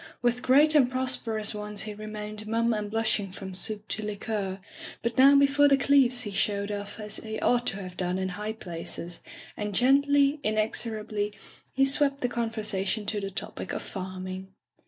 With great and prosperous ones he re mained mum and blushing from soup to liqueur; but now before the Cleeves he showed off as he ought to have done in high places, and gendy, inexorably, he swept the conversation to the topic of farming.